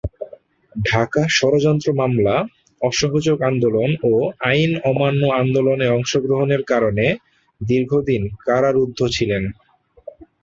ঢাকা ষড়যন্ত্র মামলা, অসহযোগ আন্দোলন ও আইন অমান্য আন্দোলনে অংশগ্রহণের কারণে দীর্ঘদিন কারারুদ্ধ ছিলেন।